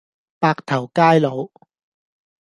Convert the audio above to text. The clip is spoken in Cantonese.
白頭偕老